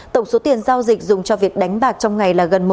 tổng số tiền giao dịch dùng cho việc đánh bạc trong ngày